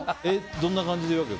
どんな感じで言うわけ？